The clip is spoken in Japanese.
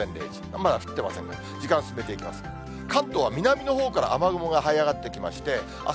まだ降ってませんが、時間進めていきます。